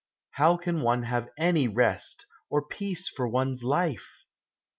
How can one have any rest, or peace of one's life?"